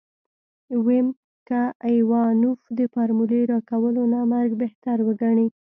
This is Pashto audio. ويم که ايوانوف د فارمولې راکولو نه مرګ بهتر وګڼي.